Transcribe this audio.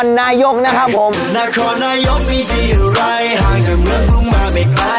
นครนายกมีที่อะไรห่างจากเมืองปรุงมาไม่ไกล